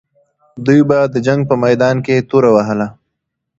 دوی به د جنګ په میدان کې توره وهله.